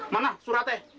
mana surat teh